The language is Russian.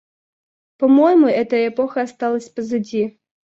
По-моему, эта эпоха осталась позади.